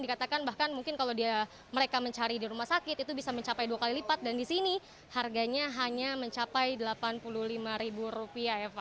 dikatakan bahkan mungkin kalau mereka mencari di rumah sakit itu bisa mencapai dua kali lipat dan di sini harganya hanya mencapai rp delapan puluh lima eva